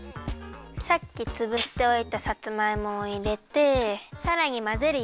さっきつぶしておいたさつまいもをいれてさらにまぜるよ。